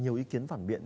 nhiều ý kiến phản biện